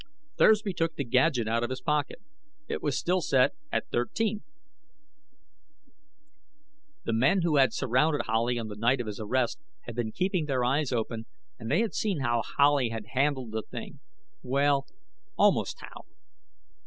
Thursby took the gadget out of his pocket. It was still set at Thirteen. The men who had surrounded Howley on the night of his arrest had been keeping their eyes open, and they had seen how Howley had handled the thing. Well almost how.